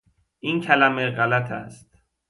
این کلمه غلط است